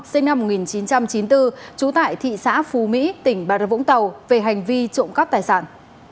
sinh năm một nghìn chín trăm chín mươi bốn trú tại thị xã phú mỹ tỉnh bà rập vũng tàu về hành vi trộm cắp tài sản